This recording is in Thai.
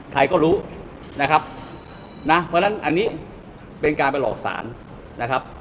ใครก็รู้นะครับนะเพราะฉะนั้นอันนี้เป็นการไปหลอกสารนะครับ